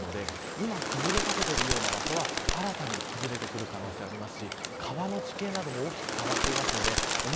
今崩れかけているような場所はまた新たに崩れてくる可能性があります。